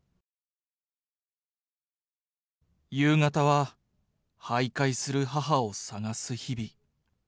夕方は徘徊する母を探す日々。